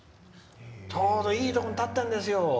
ちょうど、いいところに建ってるんですよ。